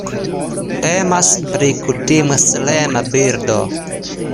Temas pri kutime solema birdo.